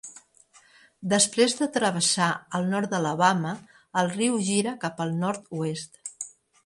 Després de travessar el nord d'Alabama, el riu gira cap al nord-oest.